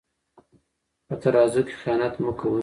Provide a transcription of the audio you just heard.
په ترازو کې خیانت مه کوئ.